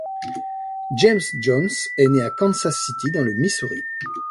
James Jones est né à Kansas City dans le Missouri.